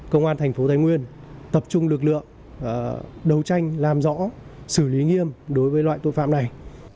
công an thành phố thái nguyên tập trung lực lượng đấu tranh làm rõ xử lý nghiêm đối với loại tội phạm này